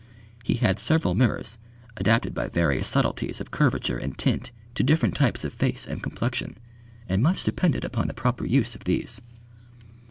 He had several mirrors, adapted by various subtleties of curvature and tint to different types of face and complexion, and much depended on the proper use of these.